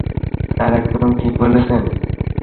Sir, একদম ঠিক বলেছেন।